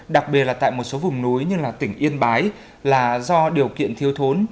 đặc biệt là tại một số vùng núi như là tỉnh yên bái là do điều kiện thiếu thốn